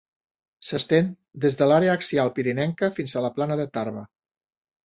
S'estén des de l'àrea axial pirinenca fins a la plana de Tarba.